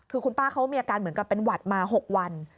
คือคุณป้าเขามีอาการเหมือนกับเป็นหวัดมา๖วัน